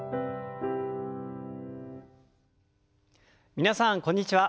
皆さんこんにちは。